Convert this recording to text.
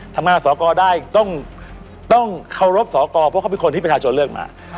ทำงานสอกรได้ต้องต้องเคารพสอกรเพราะเขาเป็นคนที่เป็นชนเลือกมา